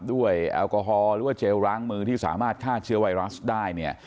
แอลกอฮอลหรือว่าเจลล้างมือที่สามารถฆ่าเชื้อไวรัสได้เนี่ย